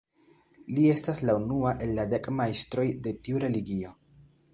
Li estas la unua el la dek majstroj de tiu religio.